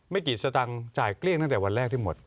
ไม่กี่สตังค์จ่ายเกลี้ยงตั้งแต่วันแรกที่หมด